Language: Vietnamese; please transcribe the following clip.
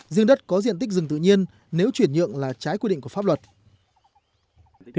riêng đất có diện tích rừng tự nhiên nếu chuyển nhượng là trái quy định của pháp luật